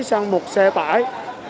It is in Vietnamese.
sang một xe tải